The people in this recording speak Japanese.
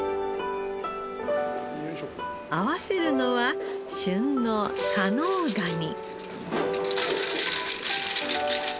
合わせるのは旬の加能ガニ。